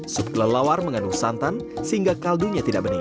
sup kelelawar mengandung santan sehingga kaldunya tidak bening